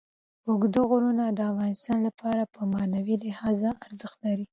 اوږده غرونه د افغانانو لپاره په معنوي لحاظ ارزښت لري.